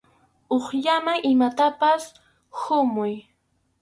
Hukllaman imatapas huñuy.